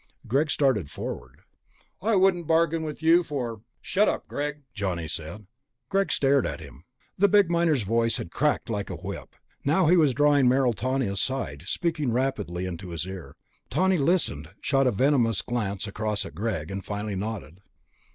Greg started forward. "I wouldn't bargain with you for...." "Shut up, Greg," Johnny said. Greg stared at him. The big miner's voice had cracked like a whip; now he was drawing Merrill Tawney aside, speaking rapidly into his ear. Tawney listened, shot a venomous glance across at Greg, and finally nodded.